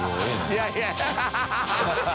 いやいや